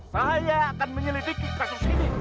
saya akan menyelidiki kasus ini